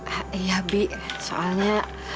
iya bi soalnya